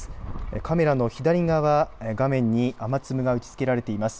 カメラの左側画面に雨粒が打ちつけられています。